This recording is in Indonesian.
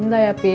enggak ya pi